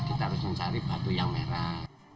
kita harus mencari batu yang merah